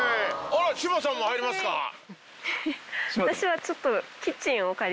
私はちょっと。